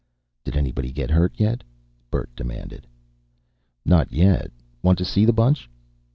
"Did anybody get hurt, yet?" Bert demanded. "Not yet. Want to see the bunch?"